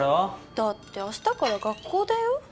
だって明日から学校だよ？